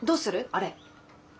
あれ。